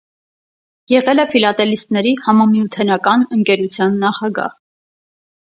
Եղել է ֆիլատելիստների համամիութենական ընկերության նախագահ։